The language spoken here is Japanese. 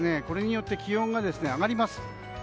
これによって気温が上がります。